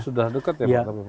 sudah dekat ya